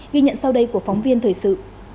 ghi nhận sau đây của phóng viên thời sự